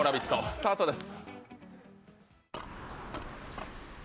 スタートです。